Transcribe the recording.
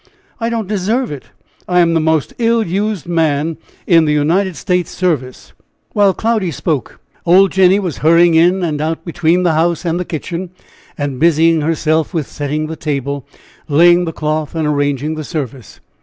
I don't deserve it. I am the most ill used man in the United States service." While Cloudy spoke, old Jenny was hurrying in and out between the house and the kitchen, and busying herself with setting the table, laying the cloth and arranging the service.